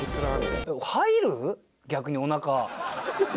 逆におなか。